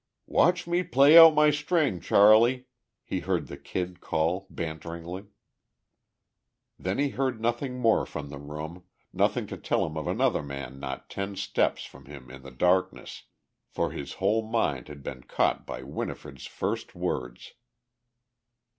"Watch me play out my string, Charley!" he heard the Kid call banteringly. Then he heard nothing more from the room, nothing to tell him of another man not ten steps from him in the darkness, for his whole mind had been caught by Winifred's first words.